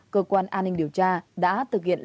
cơ quan an ninh điều tra công an tỉnh nghệ an thụ lý